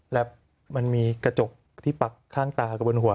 และมันมีกระจกที่ปักข้างตากับบนหัว